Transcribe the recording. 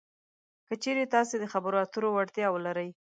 که چېرې تاسې د خبرو اترو وړتیا ولرئ